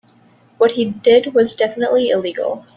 What he did was definitively illegal.